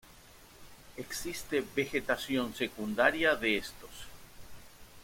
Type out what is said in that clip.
Existe vegetación secundaria de estos.